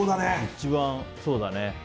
一番、そうだね。